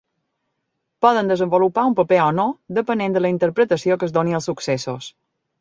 Poden desenvolupar un paper o no depenent de la interpretació que es doni als successos.